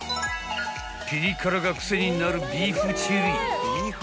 ［ピリ辛が癖になるビーフチリ］